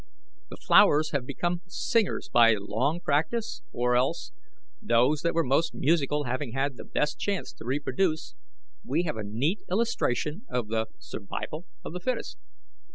The flowers have become singers by long practice, or else, those that were most musical having had the best chance to reproduce, we have a neat illustration of the 'survival of the fittest.'